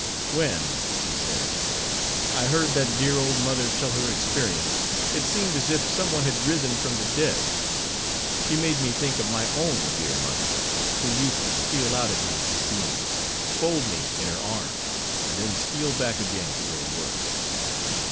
"When," he said, "I heard that dear old mother tell her experience it seemed as if some one had risen from the dead. She made me think of my own dear mother, who used to steal out at night to see me, fold me in her arms, and then steal back again to her work.